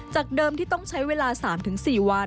เดิมที่ต้องใช้เวลา๓๔วัน